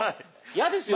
嫌ですよ